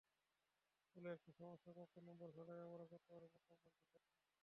ফলে একটি সমস্যার প্রাপ্ত নম্বর ছাড়াই আমরা গতবারের মোট নম্বরকে ছাপিয়ে গেছি।